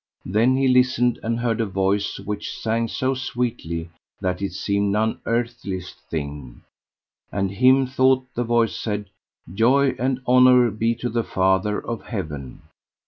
Then he listened and heard a voice which sang so sweetly that it seemed none earthly thing; and him thought the voice said: Joy and honour be to the Father of Heaven.